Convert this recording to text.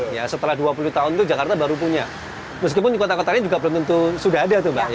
ya setelah dua puluh tahun itu jakarta baru punya meskipun kota kotanya juga belum tentu sudah ada tuh mbak